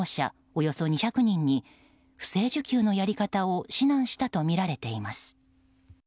およそ２００人に不正受給のやり方を指南したとみられています。